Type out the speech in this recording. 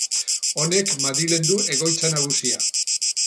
Honek Madrilen du egoitza nagusia.